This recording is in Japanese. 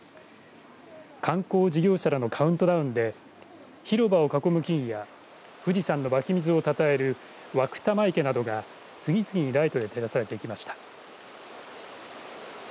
観光事業者らのカウントダウンで広場を囲む木々や富士山の湧き水をたたえる湧玉池などが次々にライトで照らされていきました。